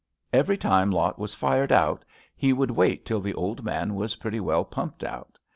Every time Lot was fired out he would wait till the old man was pretty well pumped out.